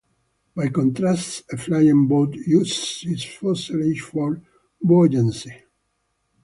By contrast, a flying boat uses its fuselage for buoyancy.